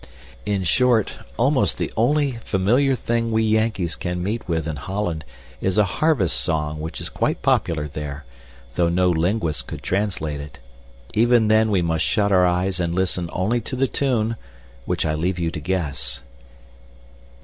In short, almost the only familiar thing we Yankees can meet with in Holland is a harvest song which is quite popular there, though no linguist could translate it. Even then we must shut our eyes and listen only to the tune, which I leave you to guess.